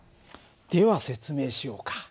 では説明しようか。